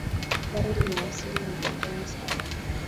Gari limewasili mjengoni saa hii.